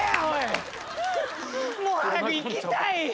もう早く行きたい！